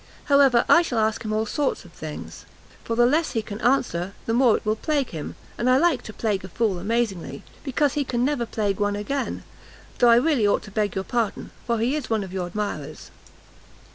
However, I shall ask him all sort of things, for the less he can answer, the more it will plague him; and I like to plague a fool amazingly, because he can never plague one again. Though really I ought to beg your pardon, for he is one of your admirers."